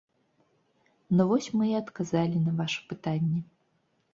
Ну вось мы і адказалі на ваша пытанне!